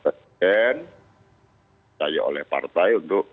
saya dipercaya oleh partai untuk